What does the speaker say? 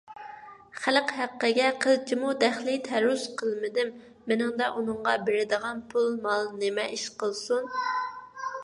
خەلق ھەققىگە قىلچىمۇ دەخلى - تەرۇز قىلمىدىم، مېنىڭدە ئۇنىڭغا بېرىدىغان پۇل - مال نېمە ئىش قىلسۇن؟